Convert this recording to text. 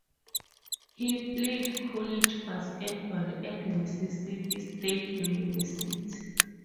He played college basketball at Mississippi State University.